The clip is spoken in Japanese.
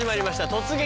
「突撃！